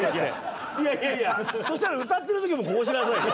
いやいやいやそしたら歌ってる時もこうしなさいよ。